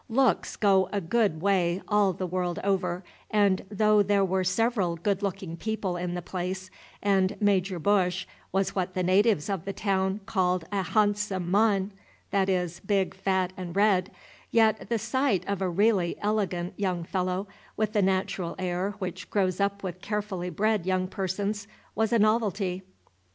Looks go a good way all the world over, and though there were several good looking people in the place, and Major Bush was what the natives of the town called a "hahnsome mahn," that is, big, fat, and red, yet the sight of a really elegant young fellow, with the natural air which grows up with carefully bred young persons, was a novelty.